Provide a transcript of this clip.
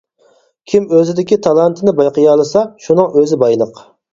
كىم ئۆزىدىكى تالانتنى بايقىيالىسا شۇنىڭ ئۆزى بايلىق.